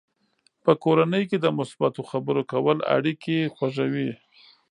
په کورنۍ کې د مثبتو خبرو کول اړیکې خوږوي.